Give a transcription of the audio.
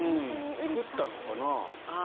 作ったのかな？